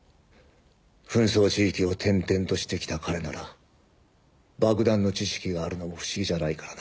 紛争地域を転々としてきた彼なら爆弾の知識があるのも不思議じゃないからな。